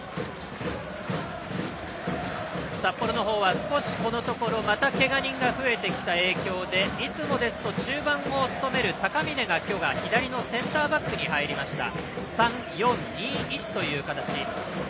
札幌は少し、このところまたけが人が増えてきた影響でいつもですと中盤を務める高嶺が今日は左センターバックに入りました。